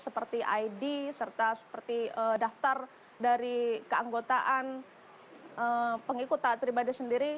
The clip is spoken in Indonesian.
seperti id serta seperti daftar dari keanggotaan pengikut taat pribadi sendiri